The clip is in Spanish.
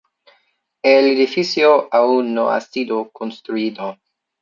El edificio aún no ha sido construido.